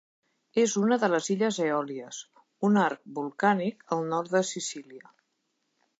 És una de les illes Eòlies, un arc volcànic al nord de Sicília.